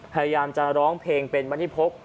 พยายามจะร้องเพลงเป็นมณิพกษ